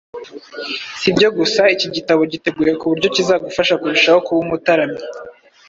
Si ibyo gusa, iki gitabo giteguye ku buryo kizagufasha kurushaho kuba umutaramyi